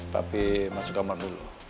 papi masuk kamar dulu